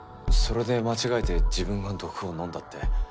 それで間違えて自分が毒を飲んだって？